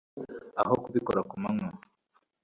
aho kubikora ku manywa